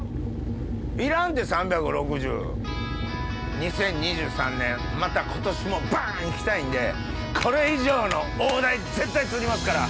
２０２３年また今年もバーンいきたいんでこれ以上の大ダイ絶対釣りますから。